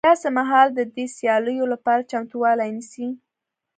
داسې مهال د دې سیالیو لپاره چمتوالی نیسي